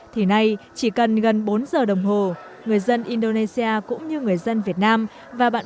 thì nay chỉ cần gần bốn giờ đồng hồ người dân indonesia cũng như người dân việt nam và bạn